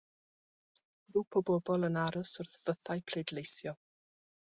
Grŵp o bobl yn aros wrth fythau pleidleisio.